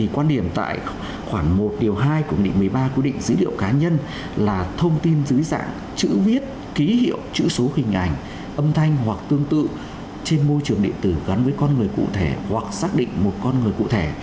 quan điểm tại khoảng một điều hai của nghị định một mươi ba quy định dữ liệu cá nhân là thông tin dưới dạng chữ viết ký hiệu chữ số hình ảnh âm thanh hoặc tương tự trên môi trường điện tử gắn với con người cụ thể hoặc xác định một con người cụ thể